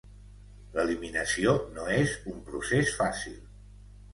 L’eliminació no és un procés fàcil.